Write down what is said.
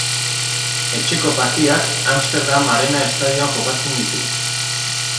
Etxeko partidak Amsterdam Arena estadioan jokatzen ditu.